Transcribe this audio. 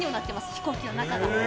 飛行機の中が。